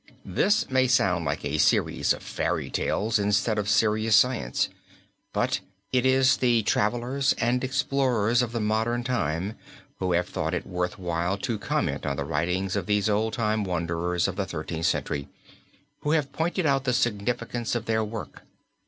This may sound like a series of fairy tales instead of serious science, but it is the travelers and explorers of the modern time who have thought it worth while to comment on the writings of these old time wanderers of the Thirteenth Century, and who have pointed out the significance of their work.